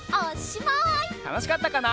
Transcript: たのしかったかな？